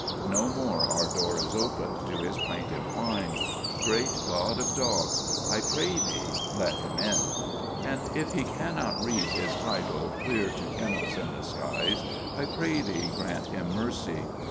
No more our door is opened to his plaintive whine. Great God of Dogs, I pray thee, let him in. And if he cannot read his title clear to kennels in 315 316 PRAYER FOR A PUP the skies, I pray thee grant him mercy.